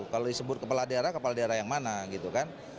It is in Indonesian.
kalau disebut kepala daerah kepala daerah yang mana gitu kan